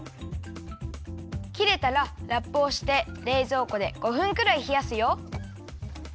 きれたらラップをしてれいぞうこで５分くらいひやすよ。